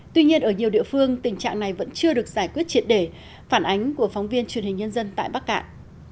tuy nhiên ở nhiều địa phương tình trạng này vẫn chưa được giải quyết triệt để phản ánh của phóng viên truyền hình nhân dân tại bắc cạn